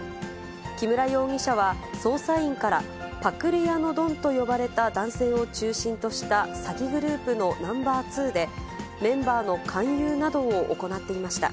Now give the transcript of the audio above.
木村容疑者は、捜査員から、パクリ屋のドンと呼ばれた男性を中心とした詐欺グループのナンバー２で、メンバーの勧誘などを行っていました。